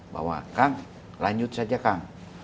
bahwa kang lanjut saja kang